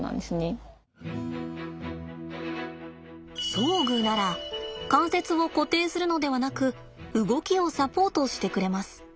装具なら関節を固定するのではなく動きをサポートしてくれます。